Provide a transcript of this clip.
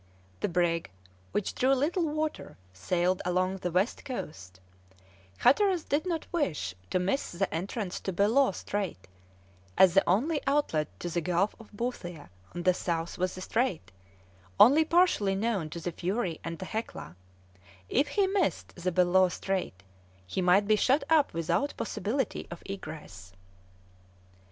The brig, which drew little water, sailed along the west coast; Hatteras did not wish to miss the entrance to Bellot Strait, as the only outlet to the Gulf of Boothia on the south was the strait, only partially known to the Fury and the Hecla; if he missed the Bellot Strait, he might be shut up without possibility of egress.